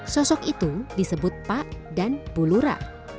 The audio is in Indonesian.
sosok itu disebut pak dan bulura